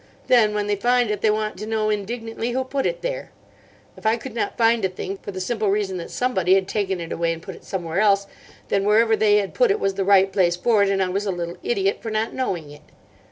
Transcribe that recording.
Then when they find it they want to know indignantly who put it there. If I could not find a thing, for the simple reason that somebody had taken it away and put it somewhere else, then wherever they had put it was the right place for it, and I was a little idiot for not knowing it."